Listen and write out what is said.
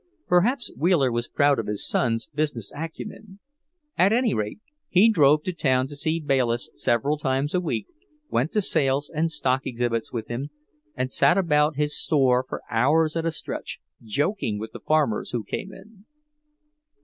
Perhaps Wheeler was proud of his son's business acumen. At any rate, he drove to town to see Bayliss several times a week, went to sales and stock exhibits with him, and sat about his store for hours at a stretch, joking with the farmers who came in.